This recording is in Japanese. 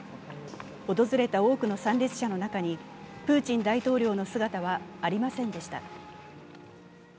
訪れた多くの参列者の中にプーチン大統領の姿はありませんでした。